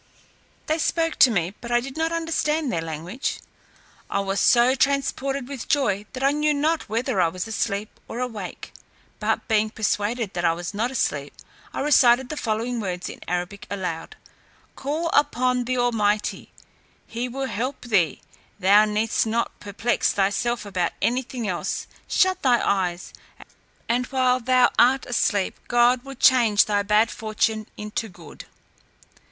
They spoke to me, but I did not understand their language. I was so transported with joy, that I knew not whether I was asleep or awake; but being persuaded that I was not asleep, I recited the following words in Arabic aloud: "Call upon the Almighty, he will help thee; thou needest not perplex thyself about any thing else: shut thy eyes, and while thou art asleep, God will change thy bad fortune into good."